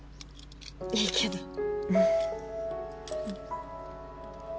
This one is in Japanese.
いいけど。